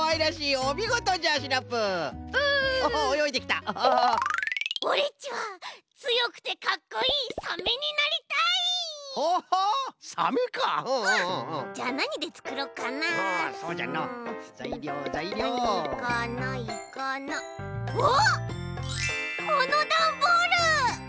おっこのだんボール！